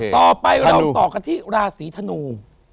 ต่อไปเราต่อกันที่ราศีธนู